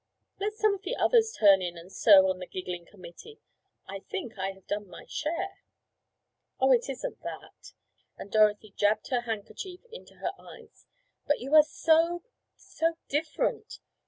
Let some of the others turn in and serve on the giggling committee. I think I have done my share!" "Oh, it isn't that," and Dorothy jabbed her handkerchief into her eyes, "but you are so—so different.